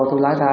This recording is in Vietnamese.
tôi lái ra